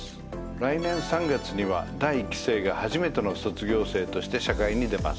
来年３月には第１期生が初めての卒業生として社会に出ます。